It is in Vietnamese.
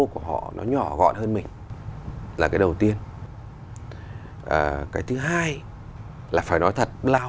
cái kinh phí lớn